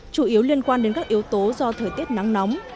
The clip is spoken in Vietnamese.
chủ yếu liên quan đến các yếu tố do thời tiết nắng nóng